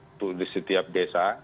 untuk di setiap desa